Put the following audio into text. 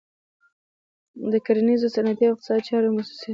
د کرنیزو، صنعتي او اقتصادي چارو موسسې.